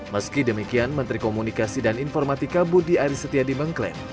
meski demikian menteri komunikasi dan informatika budi aris setiadi mengklaim